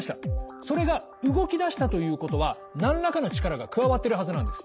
それが動きだしたということは何らかの力が加わってるはずなんです。